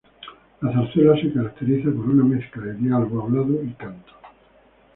La Zarzuela se caracteriza por una mezcla de diálogo hablado y canto.